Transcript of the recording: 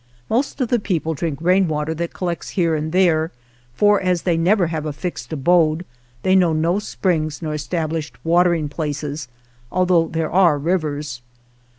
Most of the people drink rain water that collects here and there, for, as they never have a fixed abode, they know no springs nor established watering places, although there are rivers.